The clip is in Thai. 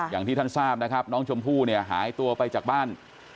อย่างที่ท่านทราบนะครับน้องชมพู่เนี่ยหายตัวไปจากบ้าน